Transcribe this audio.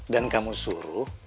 dan kamu suruh